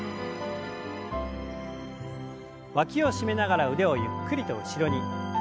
わきを締めながら腕をゆっくりと後ろに。